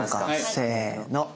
せの。